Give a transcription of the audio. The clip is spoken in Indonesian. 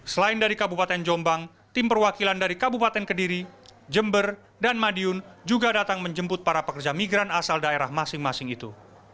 selain dari kabupaten jombang tim perwakilan dari kabupaten kediri jember dan madiun juga datang menjemput para pekerja migran asal daerah masing masing itu